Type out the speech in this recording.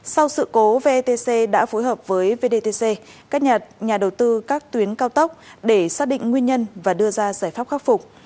sau sự cố vetc đã phối hợp với vdc các nhà đầu tư các tuyến cao tốc để xác định nguyên nhân và đưa ra giải pháp khắc phục